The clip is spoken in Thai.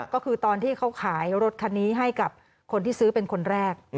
ก็คือตอนที่เขาขายรถคันนี้ให้กับคนที่ซื้อเป็นคนแรก